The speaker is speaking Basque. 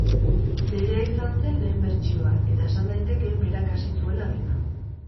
Berea izan zen lehen bertsioa, eta esan daiteke berak hasi zuela dena.